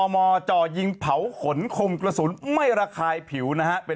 ๑๑มจยิงเผาขนขมกระสุนไม่ระคายผิว